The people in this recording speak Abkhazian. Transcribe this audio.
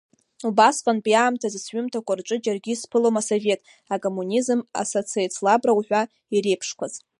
Убасҟантәи аамҭазтәи сҩымҭақәа рҿы џьаргьы исԥылом асовет, акоммунизм, асоцеицлабра уҳәа иреиԥшқәаз.